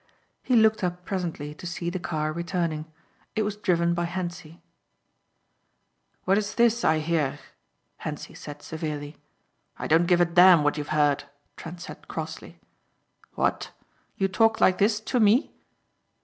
He looked up presently to see the car returning. It was driven by Hentzi. "What is this I hear?" Hentzi said severely. "I don't give a damn what you have heard," Trent said crossly. "What? You talk like this to me?"